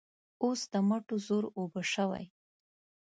اوس د مټو زور اوبه شوی.